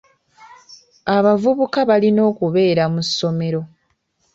Abavubuka balina okubeera mu ssomero.